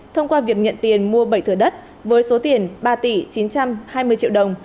thông qua việc nhận tiền mua bảy thửa đất với số tiền ba tỷ chín trăm hai mươi triệu đồng